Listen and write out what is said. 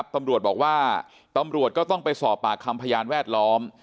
ตำรวจบอกว่าตำรวจก็ต้องไปสอบปากคำพยานแวดล้อม